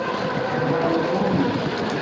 جہالتونݣ